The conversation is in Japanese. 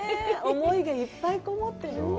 思いがいっぱいこもってる。